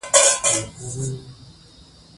هوا د افغانستان د جغرافیې بېلګه ده.